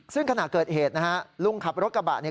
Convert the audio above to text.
ซึ่งขณะเกิดเหตุลุงขับรถกระบะ